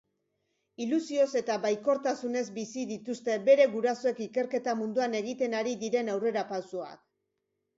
Ilusioz eta baikortasunez bizi dituzte bere gurasoek ikerketa munduan egiten ari diren aurrerapausoak.